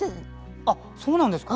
あっそうなんですか？